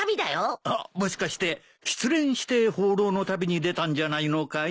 おっもしかして失恋して放浪の旅に出たんじゃないのかい？